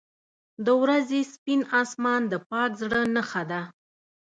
• د ورځې سپین آسمان د پاک زړه نښه ده.